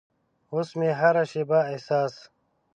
اوس مې هره شیبه احساس